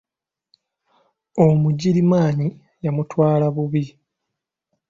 Omugirimaani yamutwala bubi.